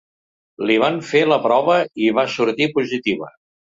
Li van fer la prova i va sortir positiva.